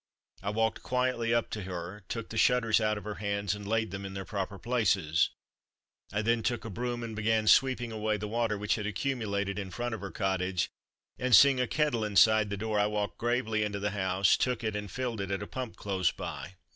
I walked quietly up to her, took the shutters out of her hands and laid them in their proper places. I then took a broom and began sweeping away the water which had accumulated in front of her cottage, and seeing a kettle inside the door, I walked gravely into the house, took it, and filled it at a pump close by.